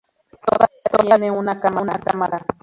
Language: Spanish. Todavía tiene una cámara.